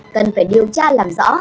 cần phải điều tra làm rõ